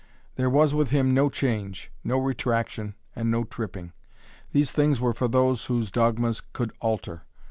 There was with him no change, no retraction, and no tripping. These things were for those whose dogmas could alter.